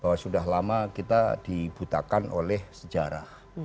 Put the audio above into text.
bahwa sudah lama kita dibutakan oleh sejarah